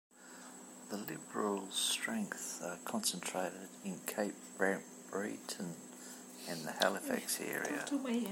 The Liberals' strengths are concentrated in Cape Breton and the Halifax area.